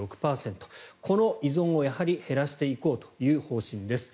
この依存をやはり減らしていこうという方針です。